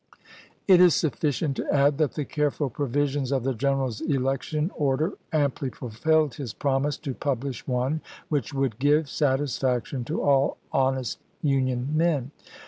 It is sufficient to add that the careful provisions of the general's election order amply fulfilled his promise to publish one which would " give satisfaction to all honest Union men."